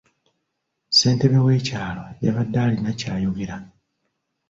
Ssentebe w'ekyalo yabadde alina ky'ayogera.